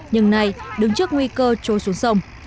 nhưng nay đứng trước nguy cơ trôi xuống sông